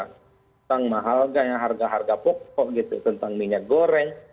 tentang mahalga harga harga pokok tentang minyak goreng